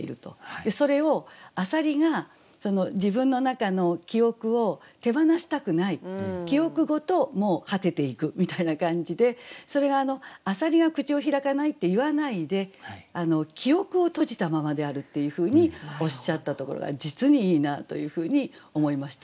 でそれを浅蜊が自分の中の記憶を手放したくない記憶ごともう果てていくみたいな感じでそれが浅蜊が口を開かないって言わないで記憶を閉じたままであるっていうふうにおっしゃったところが実にいいなというふうに思いました。